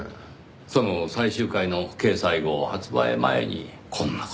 その最終回の掲載号発売前にこんな事に。